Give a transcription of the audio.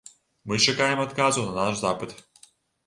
Мы чакаем адказу на наш запыт.